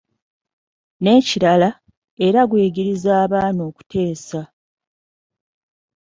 N’ekirala, era guyigiriza abaana okuteesa.